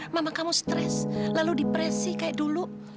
mama kamu stres lalu depresi kayak dulu